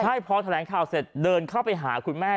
ใช่เพราะแถลงข่าวเสร็จเดินถึงหาคุณแม่